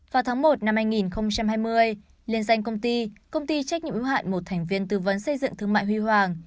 vào tháng một năm hai nghìn hai mươi liên danh công ty công ty trách nhiệm ưu hạn một thành viên tư vấn xây dựng thương mại huy hoàng